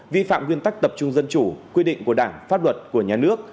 vi phạm nguyên tắc tập trung dân chủ quy định của đảng pháp luật của nhà nước